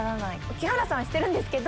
木原さんは知ってるんですけど。